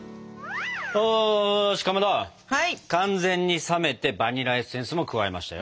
おしかまど完全に冷めてバニラエッセンスも加えましたよ。